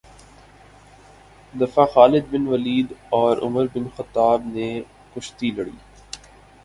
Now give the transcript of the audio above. دفعہ Khalid bin Walid اور Umar bin Khattab نے کشتی لڑی